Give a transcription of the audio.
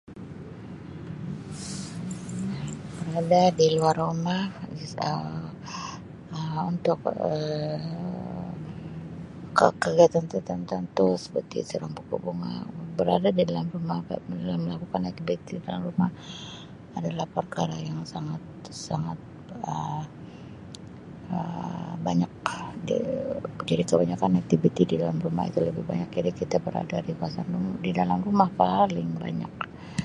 Berada di luar rumah [unintelligible] Um untuk Um ke-ke-kegiatan ter-tertentu tentu seperti siram pokok bunga berada di dalam rumah pula [unintelligible] melakukan aktiviti di dalam rumah adalah perkara yang sangat-sangat Um banyak ja-jadi kebanyakan aktiviti di dalam rumah itu lebih banyak jadi kita berada di kawasan rumah di dalam rumah paling banyak.